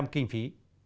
bảy mươi kinh phí